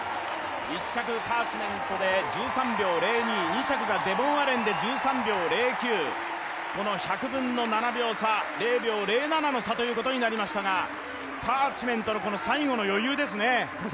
１着パーチメントで１３秒０２２着がデボン・アレンで１３秒０９、１００分の７秒差、０．０７の差ということになりましたが、このパーチメントの最後の余裕ですね。